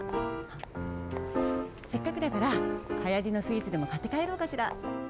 せっかくだからはやりのスイーツでもかってかえろうかしら。